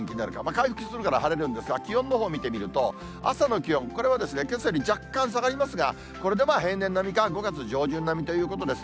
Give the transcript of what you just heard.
回復するから晴れるんですが、気温のほう見てみると、朝の気温、これはけさより若干下がりますが、これでまあ平年並みか５月上旬並みということです。